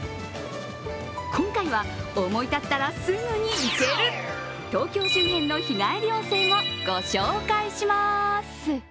今回は思い立ったらすぐに行ける東京周辺の日帰り温泉をご紹介します。